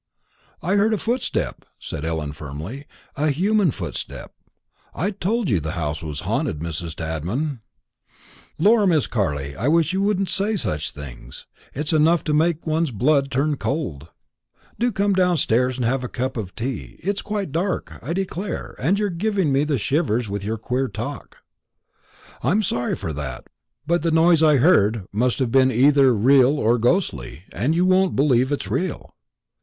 "I heard a footstep," said Ellen firmly; "a human footstep. I told you the house was haunted, Mrs. Tadman." "Lor, Miss Carley, I wish you wouldn't say such things; it's enough to make one's blood turn cold. Do come downstairs and have a cup of tea. It's quite dark, I declare; and you've given me the shivers with your queer talk." "I'm sorry for that; but the noise I heard must have been either real or ghostly, and you won't believe it's real."